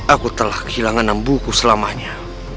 aku telah kehilangan enam buku selamanya